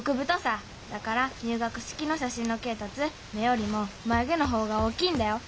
だから入学式の写真の恵達目よりもまゆ毛の方が大きいんだよ。